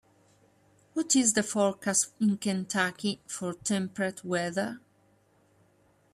What is the forecast in Kentucky for temperate weather